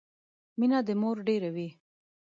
مينه د مور ډيره وي